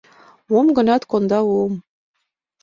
Мом-гынат конда уым».